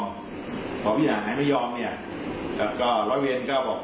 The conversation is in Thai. พอผู้เจียงหายไม่ยอมแล้วก็ร้อยเวียนก็บอก